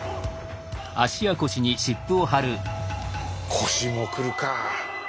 腰もくるか。